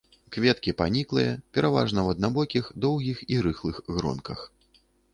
Кветкі паніклыя, пераважна ў аднабокіх доўгіх і рыхлых гронках.